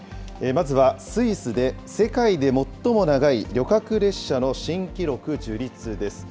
まずはスイスで世界で最も長い旅客列車の新記録樹立です。